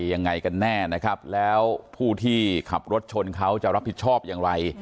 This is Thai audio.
ยังไงกันแน่นะครับแล้วผู้ที่ขับรถชนเขาจะรับผิดชอบอย่างไร